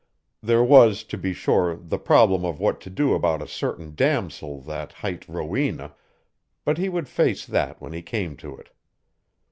There was, to be sure, the problem of what to do about a certain damosel that hight Rowena, but he would face that when he came to it.